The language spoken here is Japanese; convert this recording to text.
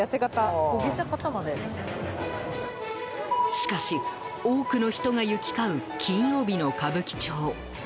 しかし、多くの人が行き交う金曜日の歌舞伎町。